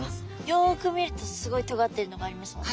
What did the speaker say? よく見るとすごいとがっているのがありますね。